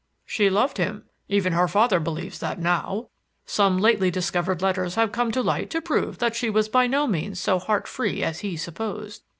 "She loved him. Even her father believes that now. Some lately discovered letters have come to light to prove that she was by no means so heart free as he supposed.